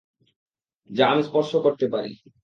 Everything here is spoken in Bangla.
যা আমি স্পর্শ করতে পারি।